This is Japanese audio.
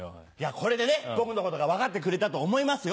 これでね僕のことが分かってくれたと思いますよ。